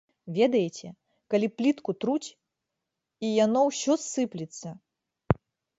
Ведаеце, калі плітку труць, і яно ўсё сыплецца.